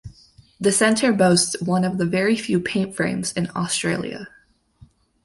The Centre boasts one of the very few paint frames in Australia.